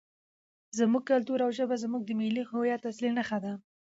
زموږ کلتور او ژبه زموږ د ملي هویت اصلي نښې دي.